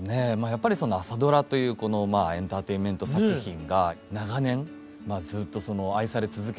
やっぱりその朝ドラというこのエンターテインメント作品が長年ずっと愛され続けているじゃないですか。